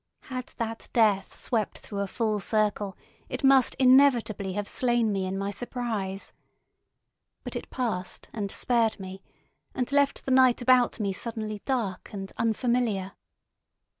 Had that death swept through a full circle, it must inevitably have slain me in my surprise. But it passed and spared me, and left the night about me suddenly dark and unfamiliar.